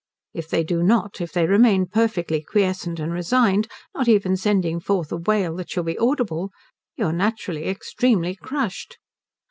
If they do not, if they remain perfectly quiescent and resigned, not even sending forth a wail that shall be audible, you are naturally extremely crushed.